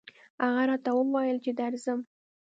هغه راته وويل چې درځم